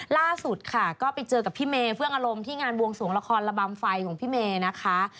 ล่าสุดค่ะก็ไปเจอกับพี่เมย์เฟื่องอารมณ์ที่งานวงสวงละครระบำไฟของพี่เมย์นะคะ